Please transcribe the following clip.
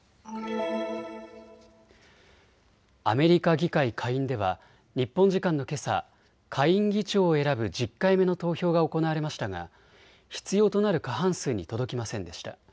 アメリカ議会下院では日本時間のけさ、下院議長を選ぶ１０回目の投票が行われましたが必要となる過半数に届きませんでした。